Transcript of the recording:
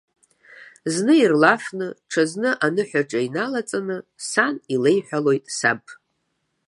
Зны ирлафны, ҽазны аныҳәаҿа иналаҵаны, сан илеиҳәалоит саб.